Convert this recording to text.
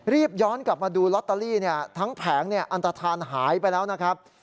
รีบย้อนกลับมาดูลอตเตอรี่เนี่ยทั้งแผงเนี่ยอันตธานหายไปแล้วนะครับ